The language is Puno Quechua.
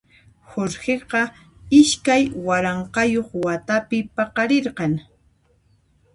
Jorgeqa iskay waranqayuq watapi paqarirqan.